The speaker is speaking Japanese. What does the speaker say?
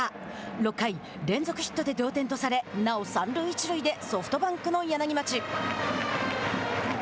６回、連続ヒットで同点とされなお三塁一塁でソフトバンクの柳町。